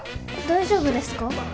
大丈夫ですか？